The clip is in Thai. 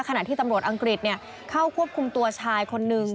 ขณะที่ตำรวจอังกฤษเข้าควบคุมตัวชายคนนึง